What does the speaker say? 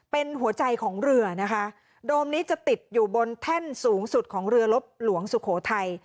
เป็นหัวใจของเรือนะคะโดมนี้จะติดอยู่บนแท่นสูงสุดของเรือลบหลวงสุโขทัย